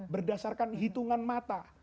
berdasarkan hitungan mata